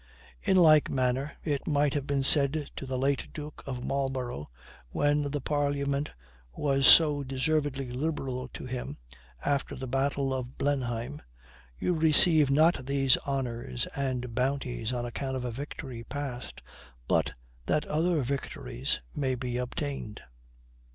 In like manner it might have been said to the late duke of Marlborough, when the parliament was so deservedly liberal to him, after the battle of Blenheim, "You receive not these honors and bounties on account of a victory past, but that other victories may be obtained."